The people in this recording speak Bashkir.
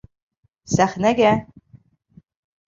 Сәхнәгә.